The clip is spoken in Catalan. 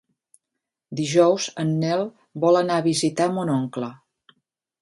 Dijous en Nel vol anar a visitar mon oncle.